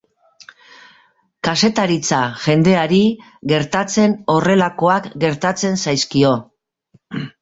Kazetaritza jendeari gertatzen horrelakoak gertatzen zaizkio.